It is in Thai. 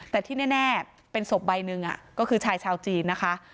แต่ที่แน่เป็นศพใบหนึ่งก็คือชายชาวจีนนะคะ